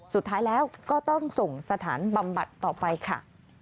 สุดท้ายแล้วก็ต้องส่งสถานบำบัดต่อไปค่ะ